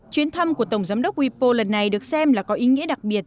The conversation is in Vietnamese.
chuyến thăm của tổng giám đốc wipo lần này được xem là có ý nghĩa đặc biệt